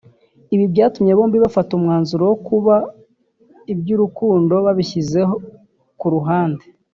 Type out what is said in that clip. ibi byatumye bombi bafata umwanzuro wo kuba iby’urukundo babishyize ku ruhande